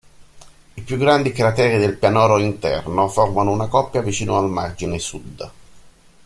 I più grandi crateri del pianoro interno formano una coppia vicino al margine sud.